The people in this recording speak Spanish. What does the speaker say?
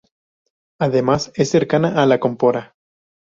Además, es cercana a La Cámpora.